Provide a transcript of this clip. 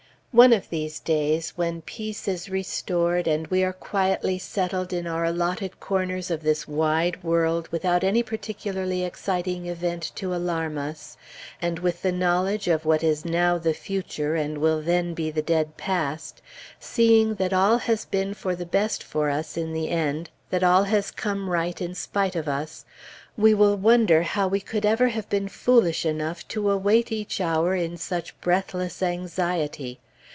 One of these days, when peace is restored and we are quietly settled in our allotted corners of this wide world without any particularly exciting event to alarm us; and with the knowledge of what is now the future, and will then be the dead past; seeing that all has been for the best for us in the end; that all has come right in spite of us, we will wonder how we could ever have been foolish enough to await each hour in such breathless anxiety.